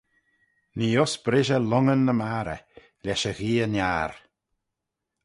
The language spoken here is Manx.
Nee uss brishey lhongyn ny marrey: lesh y gheay-niar.